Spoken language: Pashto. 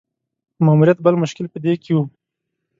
ماموریت بل مشکل په دې کې وو.